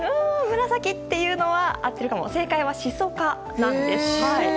紫っていうのは合っているかも正解は、シソ科です。